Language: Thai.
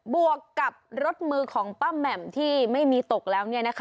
บวกกับรถมือของป้าแหม่มที่ไม่มีตกแล้ว